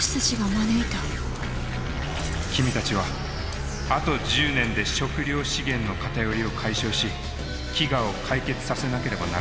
君たちはあと１０年で食料資源の偏りを解消し飢餓を解決させなければならなかった。